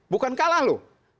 bukan kalah loh